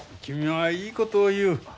君はいいことを言う。